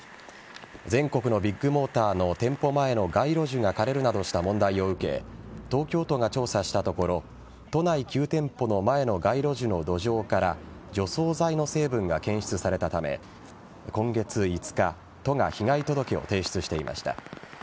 全国のビッグモーターの店舗前の街路樹が枯れるなどした問題を受け東京都が調査したところ都内９店舗の前の街路樹の土壌から除草剤の成分が検出されたため今月５日都が被害届を提出していました。